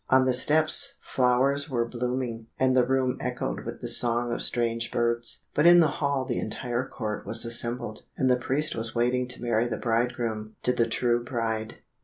On the steps flowers were blooming, and the room echoed with the song of strange birds, but in the hall the entire court was assembled, and the priest was waiting to marry the bridegroom to the true bride.